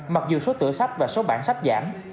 mặc dù số tựa sách và số bản sách giảm